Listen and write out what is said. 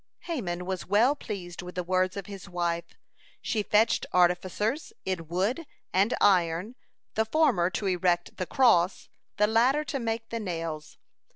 (158) Haman was well pleased with the words of his wife. She fetched artificers in wood and iron, the former to erect the cross, the latter to make the nails.